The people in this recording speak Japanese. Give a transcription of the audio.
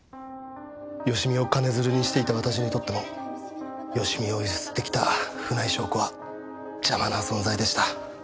芳美を金づるにしていた私にとって芳美を強請ってきた船井翔子は邪魔な存在でした。